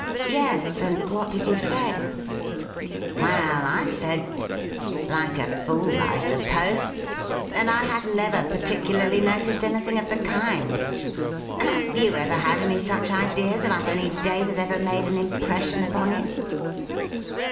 ' Yes ; and what did you say ?'' Well, I said — like a fool, I suppose — that I hadn't ever particularly noticed anything of the kind. Have you ever had any such ideas about any day that ever made an im pression upon you